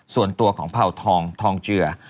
ส่วนตัวของเผ่าทองทองเจือ